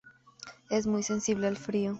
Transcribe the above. Es muy sensible al frío.